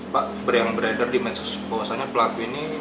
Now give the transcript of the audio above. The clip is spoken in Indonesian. pak berian beredar dimaksud bahwasannya pelaku ini